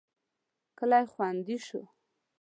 کلی خوندي شو.